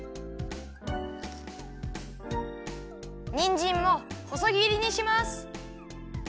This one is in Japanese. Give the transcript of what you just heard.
にんじんもほそぎりにします。